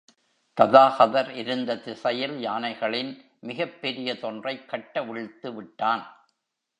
ததாகதர் இருந்த திசையில் யானைகளின் மிகப் பெரியதொன்றைக் கட்டவிழ்த்து விட்டான்.